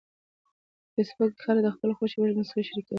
په فېسبوک کې خلک د خپلو خوښې وړ موسیقي شریکوي